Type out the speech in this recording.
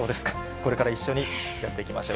これから一緒にやっていきましょう。